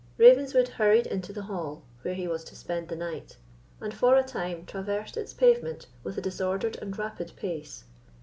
Ravenswood hurried into the hall, where he was to spend the night, and for a time traversed its pavement with a disordered and rapid pace.